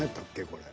これ。